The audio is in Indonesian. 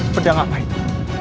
pedang apa itu